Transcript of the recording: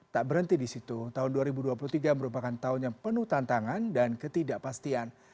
tak berhenti di situ tahun dua ribu dua puluh tiga merupakan tahun yang penuh tantangan dan ketidakpastian